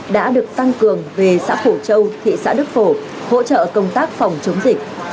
đã được tăng cường về xã phổ châu thị xã đức phổ hỗ trợ công tác phòng chống dịch